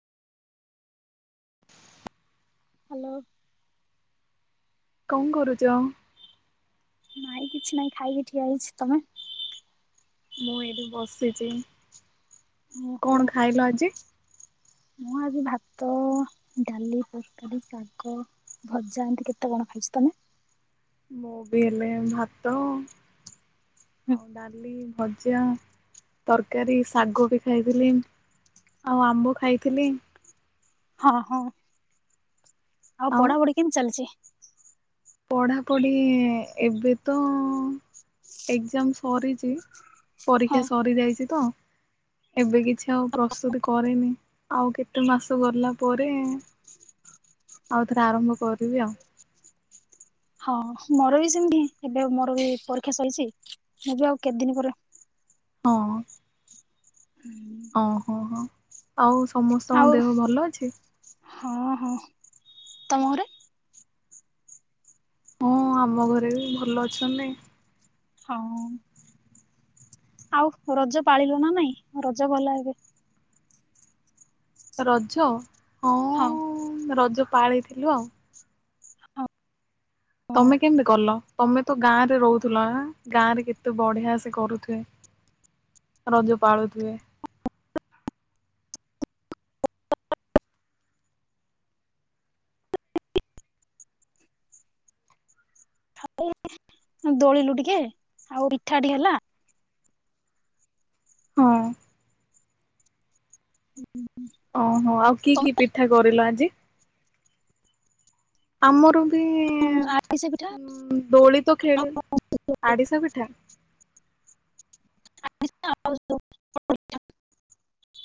Hello. କଁ କରୁଛ। ନାଇଁ କିଛି ନାଇଁ ଖାଇକି ଠିଆ ହେଇଛି ତମେ। ମୁଁ ଏଇଠି ବସିଛି। ଓହୋ କଣ ଖାଇଲ ଆଛା। ଆଜି? ମୁଁ ଆଜି ଭାତ ଡାଲି ତରକାରି ଶାଗ। ଭଜା ଏମତି କେତେ କଣ ଖାଇଛି ତମେ? ମୁଁ ବି ହେଲେ ଭାତ। ହୁଁ। ଆଉ ଡାଲି ଭଜା। ତରକାରୀ ଶାଗ ବି ଖାଇଥିଲି ଆଉ ଆମ୍ବ ଖାଇଥିଲି। ହଁ ହଁ। ଆଉ ପଢାପଢି କେମତି ଚାଲିଛି। ପଢ଼ାପଢ଼ି ଏବେ ତ ଏକ୍ଜାମ ସରିଛି। ହଁ ପରୀକ୍ଷା ସରି ଯାଇଛି ତ। ଏବେ କିଛି ଆଉ ପ୍ରସ୍ତୁତି କରିନି ଆଉ କେତେ ମାସ ଗଲା ପରେ। ଆଉଥରେ ଆରମ୍ଭ କରିବି ଆଉ। ହଁ ମୋର ବି ସେମିତି ଏବେ ମୋର ବି ପରୀକ୍ଷା ସରିଛି ମୁଁ ବି ଆଉ କେତେ ଦିନ ପରେ। ହଁ। ଓ ହୋ ହୋ ଆଉ ସମସ୍ତଙ୍କ ଆଉ ଦେହ ଭଲ ଅଛି। ହଁ ହଁ ତମ ଘରେ। ହଁ ଆମ ଘରେ ବି ଭଲ ଅଛନ୍ତି। ହଁ ଆଉ ରଜ ପାଳିଲ ନା ନାଇଁ ରଜ ଗଲା ଏବେ। ରଜ। ହଁ। ଉଁ ରଜ ପାଳିଇଥିଲୁ ଆଉ। ହଁ। ତମେ କେମିତି କଲ ତମେ ତ ଗାଁରେ ରହୁଥିଲ ନାଁ ଗାଁରେ କେତେ ବଢିଆ ସେ କରୁଥିବେ। ରଜ ପାଳୁଥିବେ। ହଁ ଦୋଳିଲୁ ଟିକେ ଆଉ ପିଠା ଟିକେ ହେଲା। ହଁ। ହୁଁ ହୁଁ ଉଁ। ଓହୋ ଆଉ କି କି ପିଠା କରିଲ ଆଜି। ଆମୁ ରୁ ବି ହୁଁ ଆରିଶା ପିଠା। ଆଡ଼ିଶା ପିଠା [unintelligible]